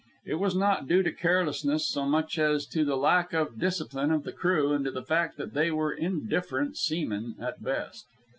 It was not due to carelessness so much as to the lack of discipline of the crew and to the fact that they were indifferent seamen at best.